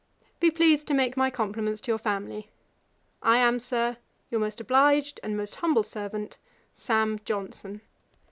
'Be pleased to make my compliments to your family. 'I am, Sir, 'Your most obliged 'And most humble servant, 'Sam. Johnson.'